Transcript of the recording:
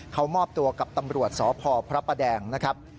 เขามอบตัวกับตำรวจสพพระประแดงนะครับ